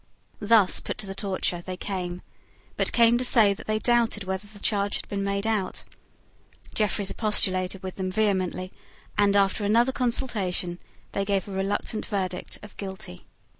Thus put to the torture, they came, but came to say that they doubted whether the charge had been made out. Jeffreys expostulated with them vehemently, and, after another consultation, they gave a reluctant verdict of Guilty.